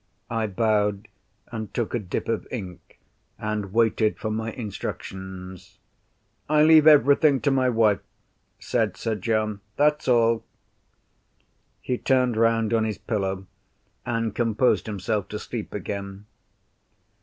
I bowed and took a dip of ink, and waited for my instructions. "I leave everything to my wife," said Sir John. "That's all." He turned round on his pillow, and composed himself to sleep again.